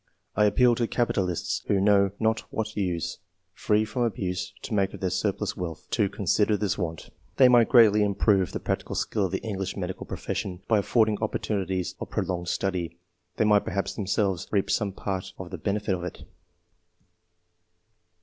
I Appeal to capitalists, who know not what use, free from abuse, to make of their surplus wealth, to consider this want. They might greatly im prove the practical skill of the English medical profession by affording opportunities of pro longed study. They might perhaps themselves, reap some part of the benefit of it.